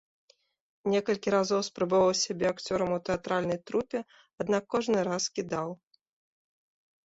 Некалькі разоў спрабаваў сябе акцёрам у тэатральнай трупе, аднак кожны раз кідаў.